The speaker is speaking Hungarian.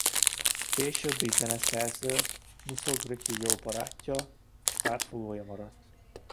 Később is a zeneszerző Muszorgszkij jó barátja és pártfogója maradt.